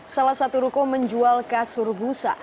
salah satu ruko menjual kasur busa